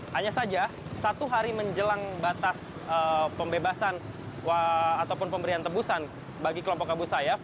hanya saja satu hari menjelang batas pembebasan ataupun pemberian tebusan bagi kelompok abu sayyaf